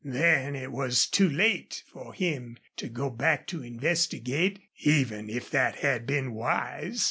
Then it was too late for him to go back to investigate, even if that had been wise.